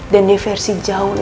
dan di versi jauh lebih baik